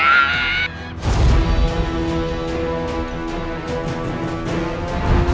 aku harus menipu